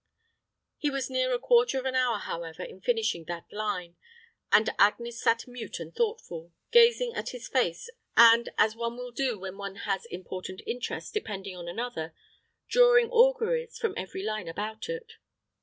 He was near a quarter of an hour, however, in finishing that line; and Agnes sat mute and thoughtful, gazing at his face, and, as one will do when one has important interests depending on another, drawing auguries from every line about it.